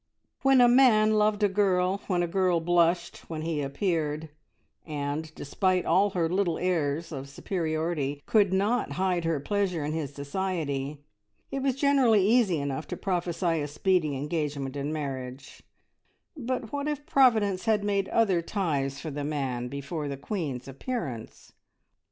When a man loved a girl, when a girl blushed when he appeared, and, despite all her little airs of superiority, could not hide her pleasure in his society, it was generally easy enough to prophesy a speedy engagement and marriage, but what if Providence had made other ties for the man before the Queen's appearance?